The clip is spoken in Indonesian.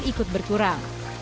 pun ikut berkurang